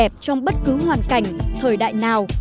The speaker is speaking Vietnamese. đẹp trong bất cứ hoàn cảnh thời đại nào